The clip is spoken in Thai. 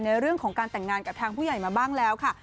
ในเรื่องของการแต่งงานกับทางผู้ใหญ่มาบ้างแล้วค่ะ